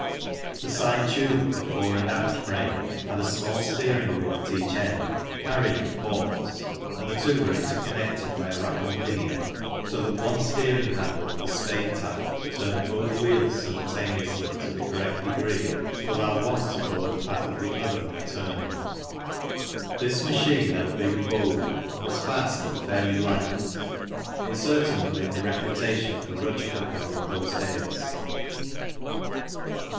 The side tube of the fore and aft frame had a small steering wheel at each end, carried in forks, and the two were intercon nected by a rack and pinion, so that one steering handle of the spade type turned both wheels simul taneously to the correct degree to allow one to follow the path of the other when turning. This machine had a big vogue and was fast and fairly light. It certainly made the reputation of the Rudge Co. in those days.